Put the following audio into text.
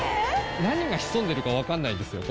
何が潜んでるかわからないんですよ。